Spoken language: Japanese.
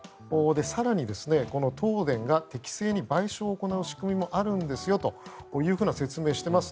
更に、この東電が適正に賠償を行う仕組みもあるんですよという説明をしています。